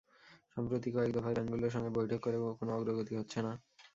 সম্প্রতি কয়েক দফায় ব্যাংকগুলোর সঙ্গে বৈঠক করেও কোনো অগ্রগতি হচ্ছে না।